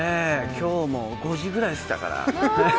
今日も５時ぐらいに起きたかな。